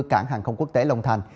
cảng hàng không quốc tế long thành